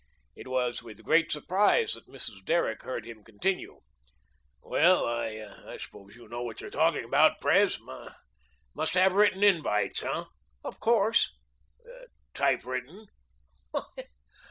It was with great surprise that Mrs. Derrick heard him continue: "Well, I suppose you know what you're talking about, Pres. Must have written invites, hey?" "Of course." "Typewritten?"